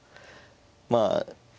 まあ